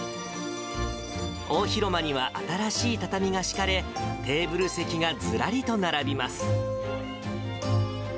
大広間には新しい畳が敷かれ、テーブル席がずらりと並びます。